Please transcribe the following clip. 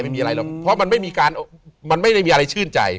เพราะมันไม่ได้มีอะไรชื่นใจ